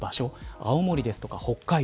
青森とか北海道